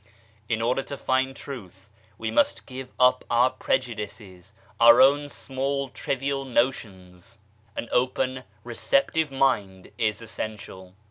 In order to find Truth we must give up our prejudices, our own small trivial notions ; an open receptive mind is essential.